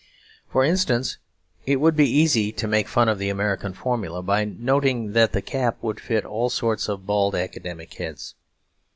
For instance, it would be easy to make fun of the American formula by noting that the cap would fit all sorts of bald academic heads.